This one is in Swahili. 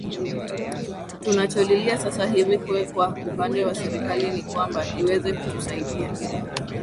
tunacholilia sasa hivi kwe kwa upande wa serikali ni kwamba iweze kutusaidia